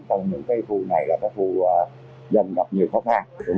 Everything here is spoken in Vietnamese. còn những cái phù này là cái phù dân gặp nhiều khó khăn